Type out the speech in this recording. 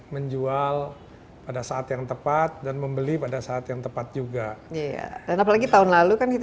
menjual pada saat yang tepat dan membeli pada saat yang tepat juga iya dan apalagi tahun lalu kan kita